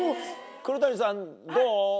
黒谷さんどう？